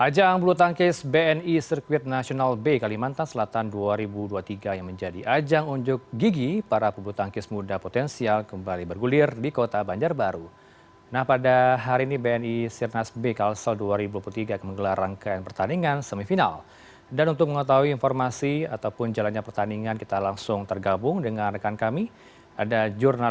jangan lupa like share dan subscribe channel ini untuk dapat info terbaru